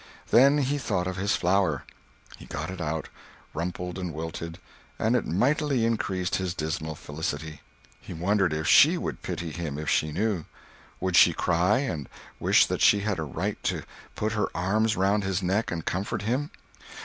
Then he thought of his flower. He got it out, rumpled and wilted, and it mightily increased his dismal felicity. He wondered if she would pity him if she knew? Would she cry, and wish that she had a right to put her arms around his neck and comfort him?